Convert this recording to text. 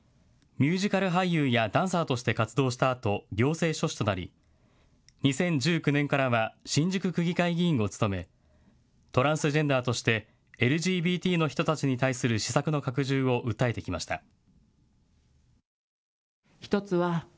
ミュージカル俳優やダンサーとして活動したあと行政書士となり２０１９年からは新宿区議会議員を務めトランスジェンダーとしてＬＧＢＴの人たちに対する施策の拡充を訴えてきました。